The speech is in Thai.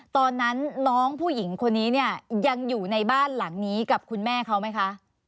ตอนนั้นน้องผู้หญิงคนนี้เนี่ยยังอยู่ในบ้านหลังนี้กับคุณแม่เขาไหมคะ